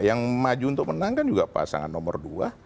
yang maju untuk menenangkan juga pasangan nomor dua